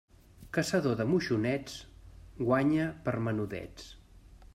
Caçador de moixonets guanya per menudets.